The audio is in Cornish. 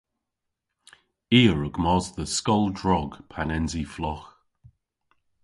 I a wrug mos dhe skol drog pan ens i flogh.